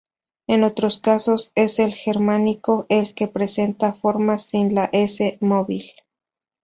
En otros casos es el germánico el que presenta formas sin la "s" móvil.